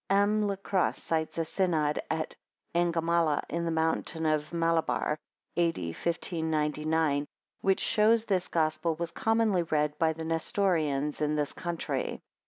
M. La Crosse cites a synod at Angamala, in the Mountain of Malabar, A. D. 1599, which shows this Gospel was commonly read by the Nestorians in the country.